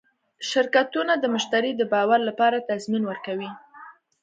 شرکتونه د مشتری د باور لپاره تضمین ورکوي.